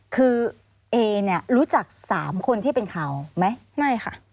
คือเอเนี่ยรู้จักสามคนที่เป็นข่าวไหมไม่ค่ะ